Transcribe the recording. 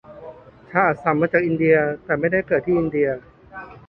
ชาอัสสัม มาจากอินเดีย แต่ไม่ได้เกิดที่อินเดีย